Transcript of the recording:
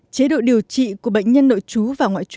chế độ điều trị của bệnh nhân nội chú và ngoại trú